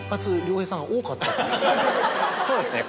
そうですね